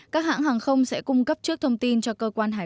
các hãng hàng không sẽ cung cấp trước thông tin cho cơ quan hàng